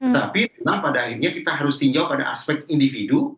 tapi memang pada akhirnya kita harus tinjau pada aspek individu